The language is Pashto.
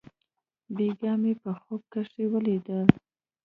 بېګاه مې په خوب کښې وليدل.